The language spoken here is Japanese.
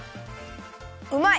うまい！